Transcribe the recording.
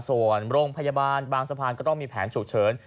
ส่วนโรงพยาบาลบางสะพานก็ต้องมีแผนฉุกเฉิน